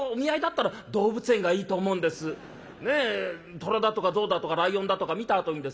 虎だとか象だとかライオンだとか見たあとにですよ